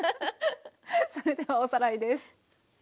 それではおさらいです。